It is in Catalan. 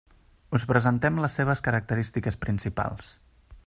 Us presentem les seves característiques principals.